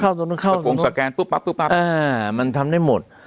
เข้าตรงนี้เข้าตรงนี้เข้าตรงนี้มันทำได้หมด